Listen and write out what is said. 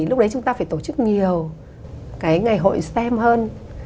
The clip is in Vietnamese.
lúc đấy chúng ta phải tổ chức nhiều cái ngày hội stem hơn